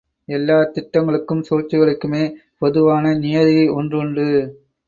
எல்லாத் திட்டங்களுக்கும் சூழ்ச்சிகளுக்குமே பொதுவான நியதி ஒன்றுண்டு.